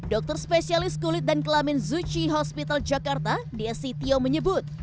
dokter spesialis kulit dan kelamin zucchi hospital jakarta dia sityo menyebut